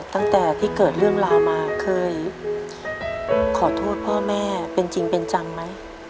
ตั้งแต่ที่เกิดเรื่องราวมาเคยขอโทษพ่อแม่เป็นจริงเป็นจังไหม